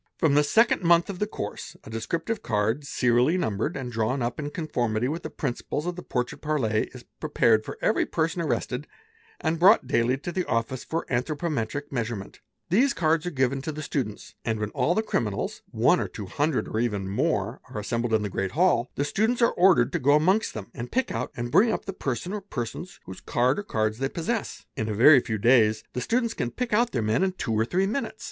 From the second month of the course a descriptive card, serially numbered and drawn up in conformity with | the principles of the " Portrait parlé,' is prepared for every perso n | arrested and brought daily to the office for anthropometric measurement, _ These cards are given to the students and when all the criminals, one or two hundred or even more, are assembled in the great hall, the students | are ordered to go amongst them, and pick out and bring up the person or persons whose card or cards they possess. In a very few days the | students can pick out their men in two or three minutes.